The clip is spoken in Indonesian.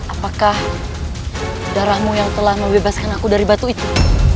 apakah darahmu yang telah membebaskan aku dari batu itu